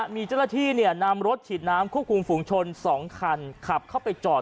มีเจ้าหน้าที่นำรถฉีดน้ำควบคุมฝุงชน๒คันขับเข้าไปจอด